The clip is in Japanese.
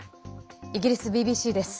イギリスＢＢＣです。